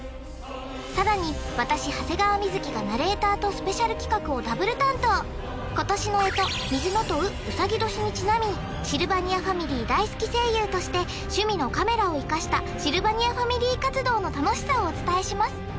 さらに私長谷川瑞がナレーターとスペシャル企画をダブル担当今年の干支癸卯うさぎ年にちなみシルバニアファミリー大好き声優として趣味のカメラを生かしたシルバニアファミリー活動の楽しさをお伝えします